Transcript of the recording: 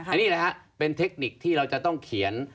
อันนี้แหละฮะเป็นเทคนิคที่เราจะต้องเขียน